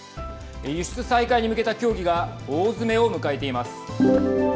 輸出再開に向けた協議が大詰めを迎えています。